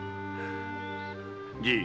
じい。